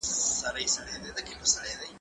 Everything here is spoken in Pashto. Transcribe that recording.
زه له سهاره درسونه لوستل کوم!.